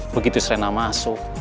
begitu serena masuk